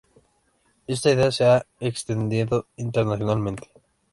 Esta idea se ha ido extendiendo internacionalmente.